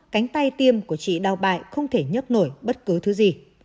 cánh tay tiêm của chị đau bại không thể nhấp nổi bất cứ thứ gì